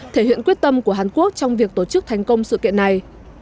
thể hiện quyết tâm của hàn quốc trong việc tổ chức thành công sự kiện này